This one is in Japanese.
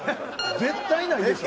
絶対ないでしょ。